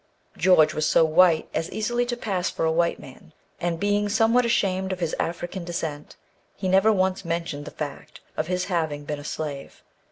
George was so white as easily to pass for a white man, and being somewhat ashamed of his African descent, he never once mentioned the fact of his having been a slave.